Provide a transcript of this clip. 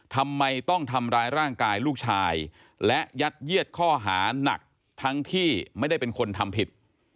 ทำไมต้องทำร้ายร่างกายลูกชายและยัดเยียดข้อหานักทั้งที่ไม่ได้เป็นคนทำผิด